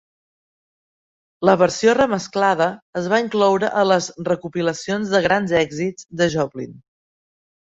La versió remesclada es va incloure a les recopilacions de grans èxits de Joplin.